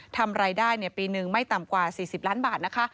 ทำรายได้ปีหนึ่งไม่ต่ำกว่า๔๐ล้านบาทนะคะ